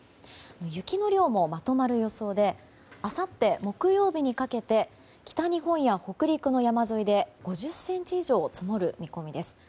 雪の量もまとまる予想であさって木曜日にかけて北日本や北陸の山沿いで５０ｃｍ以上積もる見込みです。